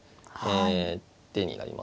手になりますね。